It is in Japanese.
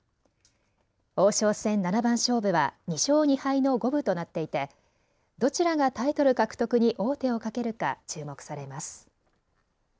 王将戦七番勝負は２勝２敗の五分となっていてどちらがタイトル獲得に王手をかけるか注目されます。